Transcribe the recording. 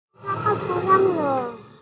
gua hadir mati biar si sandi hu